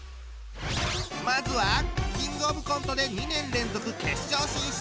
まずは「キングオブコント」で２年連続決勝進出！